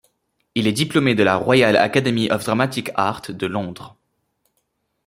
Il est diplômé de la Royal Academy of Dramatic Art de Londres.